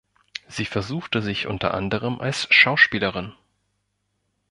Sie versuchte sich unter anderem als Schauspielerin.